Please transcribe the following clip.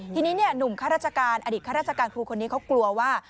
ทีนี้หนุ่มข้าราชการอดีตข้าราชการครูคนนี้เขากลัวว่า